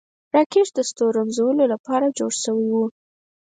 راکټ د ستورمزلو له پاره جوړ شوی و